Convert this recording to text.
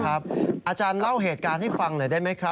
อาจารย์เล่าเหตุการณ์ให้ฟังหน่อยได้ไหมครับ